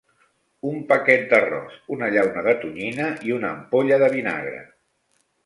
Un paquet d'arròs, una llauna de tonyina i una ampolla de vinagre.